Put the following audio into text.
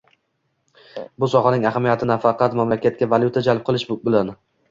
bu sohaning ahamiyati nafaqat mamlakatga valyuta jalb qilish bilan